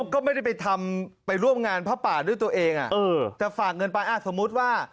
ก็ไม่ได้ไปทำไปร่วมงานพระป่าด้วยตัวเองแต่ฝากเงินไปสมมุติว่า